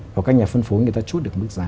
hoặc các nhà phân phối người ta chút được mức giá